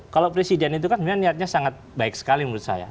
kalau presiden itu kan sebenarnya niatnya sangat baik sekali menurut saya